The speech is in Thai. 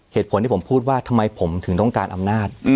เหตุผลที่ผมพูดว่าทำไมผมถึงต้องการอำนาจ